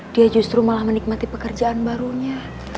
dia justru malah menikmati pekerjaan barunya